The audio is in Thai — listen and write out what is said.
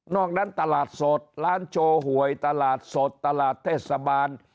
อกนั้นตลาดสดร้านโชว์หวยตลาดสดตลาดเทศบาล